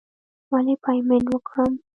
ولې پیمنټ وکړم.